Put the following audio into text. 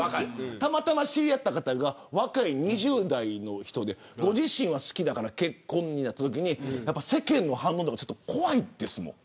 たまたま知り合った方が若い２０代の人でご自身が好きだから結婚となったとき世間の反応とか怖いですもん。